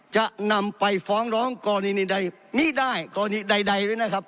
จะนำไปฟ้องร้องกรณีใดไม่ได้กรณีใดด้วยนะครับ